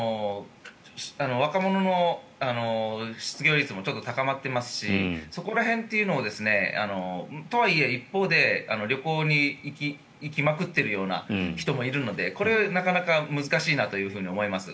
若者の失業率もちょっと高まっていますしそこら辺というのをとはいえ一方で旅行に行きまくっているような人もいるのでこれはなかなか難しいなと思います。